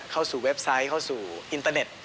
เข้าสู่เว็บไซต์เข้าสู่อินเตอร์เน็ต